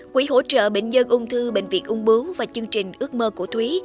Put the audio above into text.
quỹ hỗ trợ bệnh nhân ung thư bệnh viện ung bưu và chương trình ước mơ của thúy